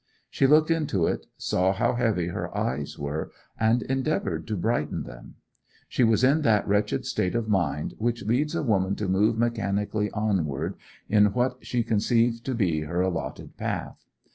She looked into it, saw how heavy her eyes were, and endeavoured to brighten them. She was in that wretched state of mind which leads a woman to move mechanically onward in what she conceives to be her allotted path.